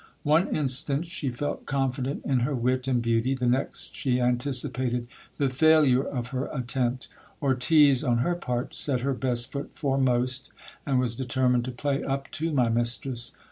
One instant she felt confident in her wit and beauty ; the next she anticipated the failure of her attempt Ortiz, on her part, set her best foot foremost, and was determined to play up to my mistress.